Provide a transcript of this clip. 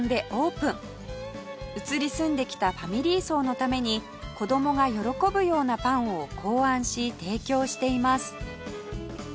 移り住んできたファミリー層のために子供が喜ぶようなパンを考案し提供しています